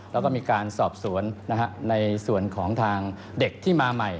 แล้วก็มีการสอบสวนในส่วนของทางเด็กที่มาใหม่